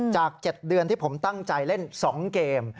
จาก๗เดือนที่ผมตั้งใจเล่น๒เกม